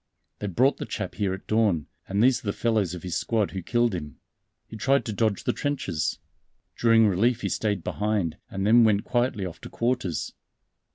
They brought the chap here at dawn, and these are the fellows of his squad who killed him. He tried to dodge the trenches. During relief he stayed behind, and then went quietly off to quarters.